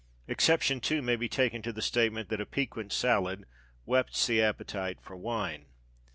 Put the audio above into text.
Exception, too, may be taken to the statement that a "piquant salad" whets the appetite for wine.